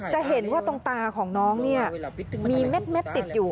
จะเห็นว่าตรงตาของน้องเนี่ยมีเม็ดติดอยู่